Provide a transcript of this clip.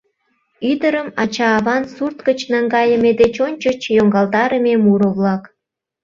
Ӱдырым ача-аван сурт гыч наҥгайыме деч ончыч йоҥгалтарыме муро-влак.